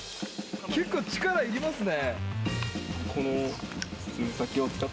結構、力がいりますね。